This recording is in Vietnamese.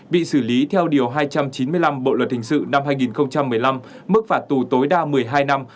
bị xử lý theo điều hai trăm chín mươi năm bộ luật hình sự năm hai nghìn một mươi năm mức phạt tù tối đa một mươi hai năm